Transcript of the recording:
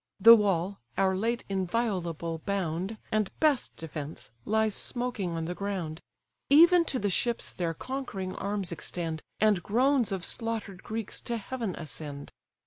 The wall, our late inviolable bound, And best defence, lies smoking on the ground: Even to the ships their conquering arms extend, And groans of slaughter'd Greeks to heaven ascend.